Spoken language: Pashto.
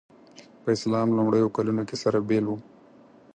په اسلام لومړیو کلونو کې سره بېل وو.